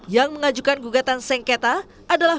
yang mengajukan gugatan sengketa adalah